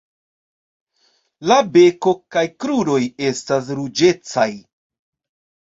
La beko kaj kruroj estas ruĝecaj.